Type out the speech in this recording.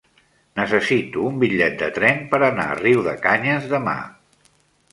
Necessito un bitllet de tren per anar a Riudecanyes demà.